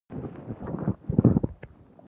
خلک مو غیبت کوي کله چې ستا سویې ته نه شي رسېدلی.